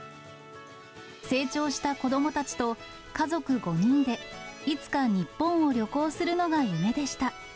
成長した子どもたちと、家族５人で、いつか日本を旅行するのが夢でした。